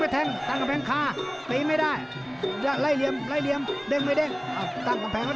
เททิ้งไปเลยลูกนี้